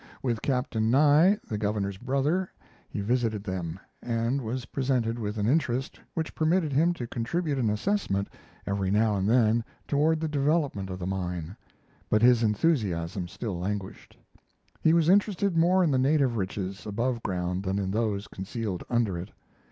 With Captain Nye, the governor's brother, he visited them and was presented with an interest which permitted him to contribute an assessment every now and then toward the development of the mine; but his enthusiasm still languished. He was interested more in the native riches above ground than in those concealed under it.